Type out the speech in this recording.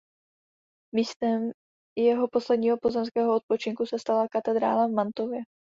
Místem jeho posledního pozemského odpočinku se stala katedrála v Mantově.